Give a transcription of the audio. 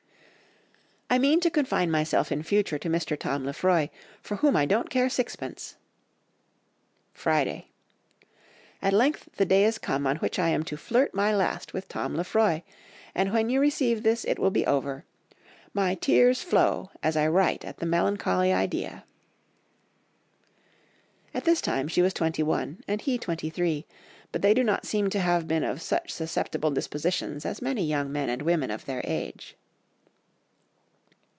"I mean to confine myself in future to Mr. Tom Lefroy, for whom I don't care sixpence."... Friday. "At length the day is come on which I am to flirt my last with Tom Lefroy, and when you receive this it will be over. My tears flow as I write at the melancholy idea." At this time she was twenty one, and he twenty three, but they do not seem to have been of such susceptible dispositions as many young men and women of their age.